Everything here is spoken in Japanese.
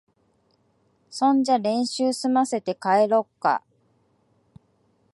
そんじゃ練習すませて、帰ろっか。